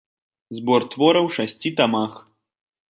Збор твораў у шасці тамах.